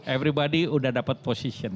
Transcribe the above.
everybody sudah dapat position